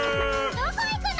どこ行くの！？